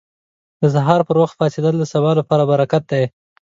• د سهار پر وخت پاڅېدل د سبا لپاره برکت دی.